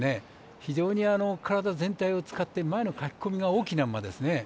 非常に体全体を使って前の駆け込みが大きな馬ですね。